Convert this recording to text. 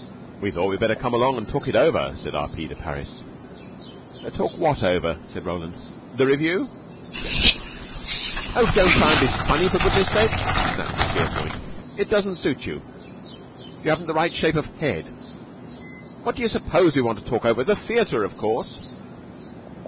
"We thought we'd better come along and talk it over," said R. P. de Parys. "Talk what over?" said Roland: "the revue?" "Oh, don't try and be funny, for goodness' sake!" snapped Miss Verepoint. "It doesn't suit you. You haven't the right shape of head. What do you suppose we want to talk over? The theater, of course."